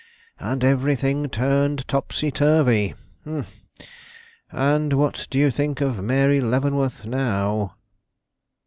and everything turned topsy turvy! Humph, and what do you think of Mary Leavenworth now?"